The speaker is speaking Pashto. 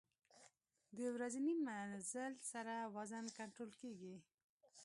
د ورځني مزل سره وزن کنټرول کېږي.